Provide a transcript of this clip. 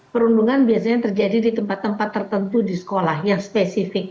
perundungan biasanya terjadi di tempat tempat tertentu di sekolah yang spesifik